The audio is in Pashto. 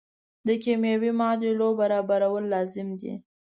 د کیمیاوي معادلو برابرول لازم دي.